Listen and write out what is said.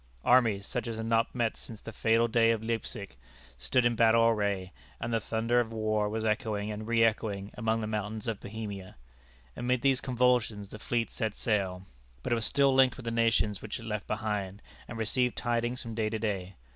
Armies, such as had not met since the fatal day of Leipsic, stood in battle array, and the thunder of war was echoing and reëchoing among the mountains of Bohemia. Amid these convulsions the fleet set sail; but it was still linked with the nations which it left behind, and received tidings from day to day.